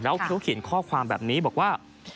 แล้วเขาเขียนข้อความแบบนี้บอกว่า